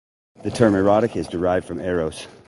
The term "erotic" is derived from "eros".